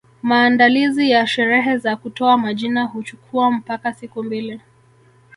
Maandalizi ya sherehe za kutoa majina huchukua mpaka siku mbili